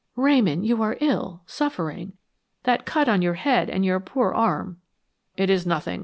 "Ramon, you are ill, suffering. That cut on your head and your poor arm " "It is nothing.